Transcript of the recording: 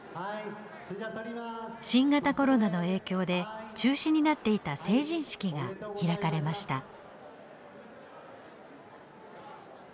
新型コロナの影響で中止になっていた成人式が開かれました。